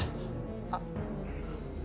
あっ。